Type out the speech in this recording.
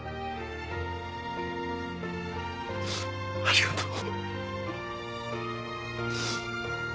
ありがとう。